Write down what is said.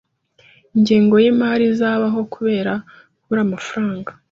Ingengo yimari izabaho kubera kubura amafaranga.